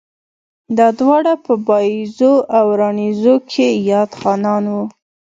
دا دواړه پۀ بائيزو او راڼېزو کښې ياد خانان وو